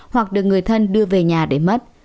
hoặc được người thân đưa về nhà để mất